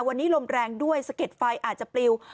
วันนี้ลมแรงด้วยสะเก็ดไฟอาจจะปลิว